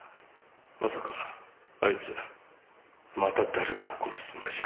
まさかあいつまた誰かを殺すつもりじゃ？